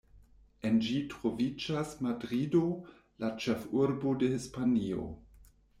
En ĝi troviĝas Madrido, la ĉefurbo de Hispanio.